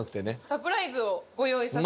サプライズをご用意させて。